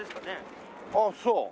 ああそう。